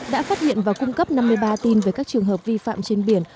đã phát hiện và cung cấp năm mươi ba tin về các trường hợp vi phạm trên biển